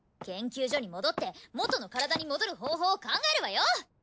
研究所に戻って元の体に戻る方法を考えるわよ！